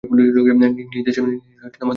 নিজ নিজ দেশে।